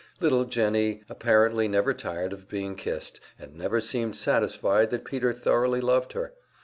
Little Jennie apparently never tired of being kissed, and never seemed satisfied that Peter thoroughly loved her.